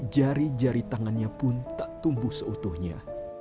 jari jari tangannya pun tak tumbuh seutuhnya